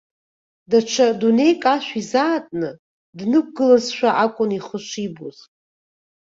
Даҽа дунеик ашә изаатны днықәгылазшәа акәын ихы шибоз.